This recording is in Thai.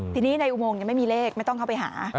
ทีนี้ในอุโมงยังไม่มีเลขไม่ต้องเข้าไปหา